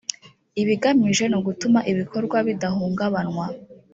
ibigamijwe ni ugutuma ibikorwa bidahungabanwa